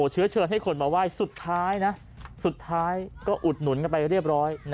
เชื้อเชิญให้คนมาไหว้สุดท้ายนะสุดท้ายก็อุดหนุนกันไปเรียบร้อย